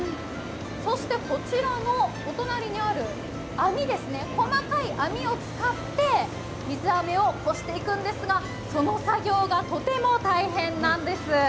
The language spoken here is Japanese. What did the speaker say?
こちらのお隣にある網、細かい網を使って、水あめをこしていくんですがその作業がとても大変なんです。